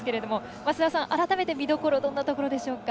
増田さん、改めて見どころどんなところでしょうか。